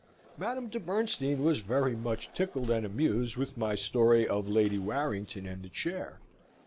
Madame de Bernstein was very much tickled and amused with my story of Lady Warrington and the chair.